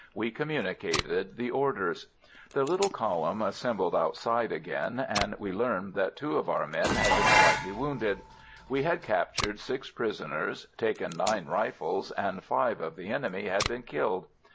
We communicated the orders. The little column assembled outside again, and we learned that two of our men had been slightly wounded; we had captured six prisoners, taken nine rifles, and five of the enemy had been killed.